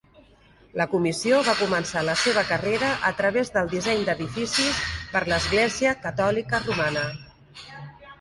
La comissió va començar la seva carrera a través del disseny d'edificis per a l'Església catòlica romana